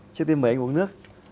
trước tiên mời anh uống nước